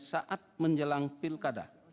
saat menjelang pilkada